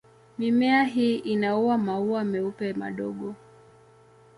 Mimea hii ina maua meupe madogo.